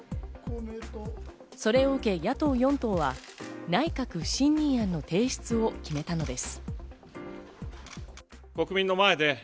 それを受け野党４党は、内閣不信任案の提出を決めたのです。